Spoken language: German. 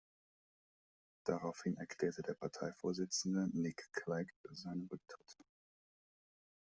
Daraufhin erklärte der Parteivorsitzende Nick Clegg seinen Rücktritt.